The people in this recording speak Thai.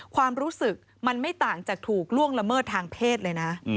ความรู้สึกมันไม่ต่างจากถูกล่วงละเมิดทางเพศเลยนะ